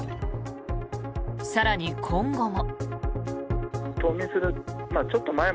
更に、今後も。